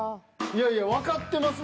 いやいやわかってます